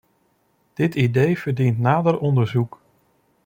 Dit idee verdient nader onderzoek.